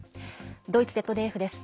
ドイツＺＤＦです。